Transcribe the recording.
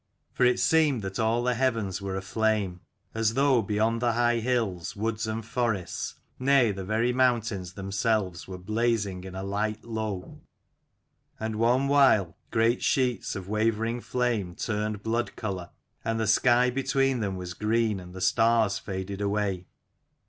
For it seemed that all the heavens were aflame ; as though, beyond the high hills, woods and forests nay, the very mountains themselves were blazing in a light low. And one while, great sheets of wavering flame turned blood colour, and the sky between them was green, and the stars faded away.